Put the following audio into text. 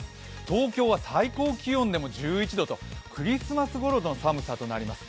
東京は最高気温でも１１度とクリスマスごろの寒さとなります。